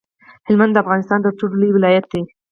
هلمند د افغانستان تر ټولو لوی ولایت دی